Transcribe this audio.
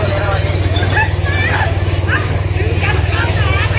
สวัสดีครับ